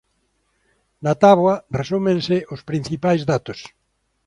Na táboa resúmense os principais datos.